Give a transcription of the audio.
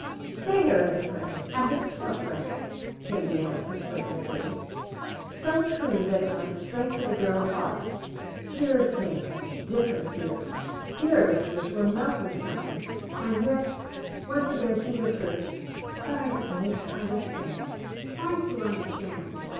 "Stay here as a friend and become a friend," came the answer, quick and true. So true that it went straight to the girl's heart. Tears came, different tears, tears which were melting something. And yet, once again she whispered: "But I don't understand." "Try to understand.